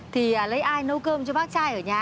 thì lấy ai nấu cơm cho bác chai ở nhà